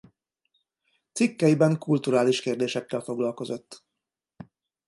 Cikkeiben kulturális kérdésekkel foglalkozott.